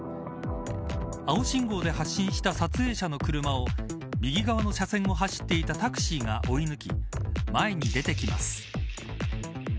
青信号で発進した撮影者の車を右側の車線を走っていたタクシーが追い抜き前に出てきます。